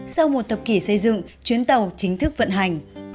sau một thập kỷ xây dựng chuyến tàu chính thức vận hành